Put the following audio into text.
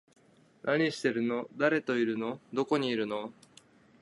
何してるの？誰といるの？どこにいるの？